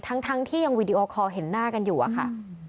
ทั้งที่ยังวีดีโอคอลเห็นหน้ากันอยู่อะค่ะ